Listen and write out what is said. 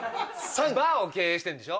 バーを経営してんでしょ？